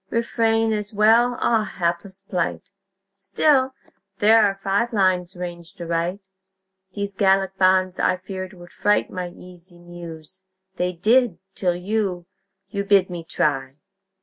"Refrain" as well. Ah, Hapless plight! Still, there are five lines ranged aright. These Gallic bonds, I feared, would fright My easy Muse. They did, till you You bid me try!